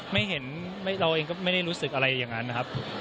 ไม่เห็นเราเองก็ไม่ได้รู้สึกอะไรอย่างนั้นนะครับ